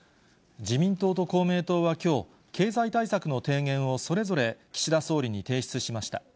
自民党と公明党はきょう、経済対策の提言をそれぞれ岸田総理に提出しました。